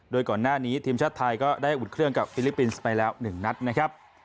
โดยก่อนหน้านี้ทีมชาติไทยก็ได้อุ่นเครื่องกับฟิลิปปินส์ไปแล้ว๑นัดนะครับ